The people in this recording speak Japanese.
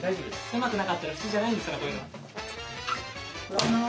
狭くなかったら普通じゃないんですからこういうのは。